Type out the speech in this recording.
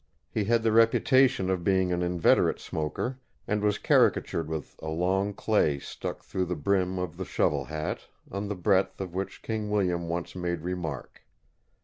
He had the reputation of being an inveterate smoker, and was caricatured with a long clay stuck through the brim of the shovel hat, on the breadth of which King William once made remark.